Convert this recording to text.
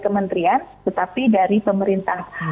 kementerian tetapi dari pemerintah